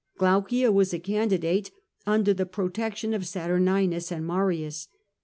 Glaucia was a candidate under the protection ol Saturninus and Marius.